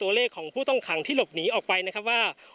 พร้อมด้วยผลตำรวจเอกนรัฐสวิตนันอธิบดีกรมราชทัน